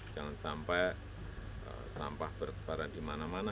jangan sampai sampah berkebaran di mana mana